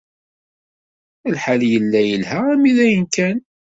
Lḥal yella yelha armi dayen kan.